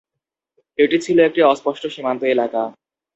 এটি ছিল একটি অস্পষ্ট সীমান্ত এলাকা।